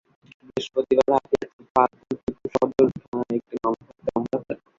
বৃহস্পতিবার পাপিয়ার ফুফা আবদুল টুকু সদর থানায় একটি হত্যা মামলা করেন।